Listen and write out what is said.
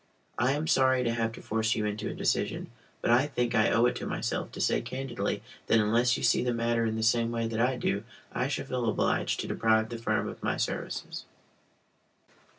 I am sorry to have to force you into a decision, but I think I owe it to myself to say candidly that unless you see the matter in the same way that I do I shall feel obliged to deprive the firm of my services.